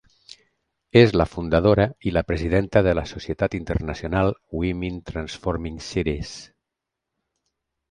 És la fundadora i la presidenta de la societat internacional Women Transforming Cities.